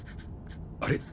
あれ？